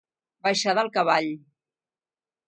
Baixar del cavall.